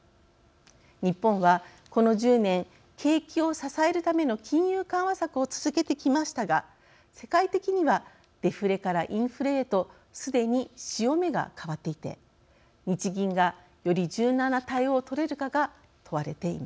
日本はこの１０年景気を支えるための金融緩和策を続けてきましたが世界的にはデフレからインフレへとすでに潮目が変わっていて日銀がより柔軟な対応を取れるかが問われています。